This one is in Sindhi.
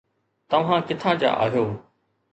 توهان ڪٿان جا آهيو